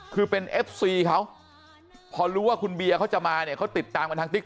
คือเป็นเอฟซีเขาเพราะรู้ว่ามะโค้งเบลี่ยเขาจะอาวุธภัยเขาติดตามอันไลน์